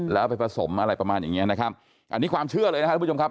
แล้วไปผสมอะไรประมาณอย่างเงี้ยนะครับอันนี้ความเชื่อเลยนะครับทุกผู้ชมครับ